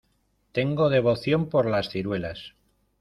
Tengo devoción por las ciruelas.